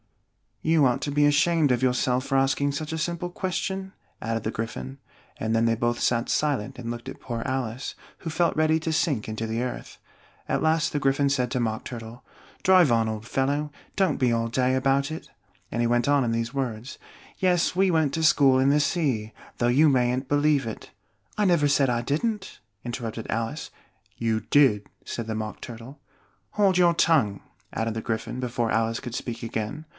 "You ought to be ashamed of yourself for asking such a simple question," added the Gryphon; and then they both sat silent and looked at poor Alice, who felt ready to sink into the earth. At last the Gryphon said to the Mock Turtle, "Drive on, old fellow! Don't be all day about it!" and he went on in these words: "Yes, we went to school in the sea, though you mayn't believe it " "I never said I didn't!" interrupted Alice. "You did," said the Mock Turtle. "Hold your tongue!" added the Gryphon, before Alice could speak again.